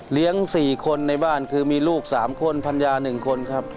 ๔คนในบ้านคือมีลูก๓คนภรรยา๑คนครับ